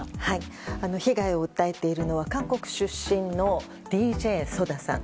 被害を訴えているのは韓国出身のＤＪＳＯＤＡさん。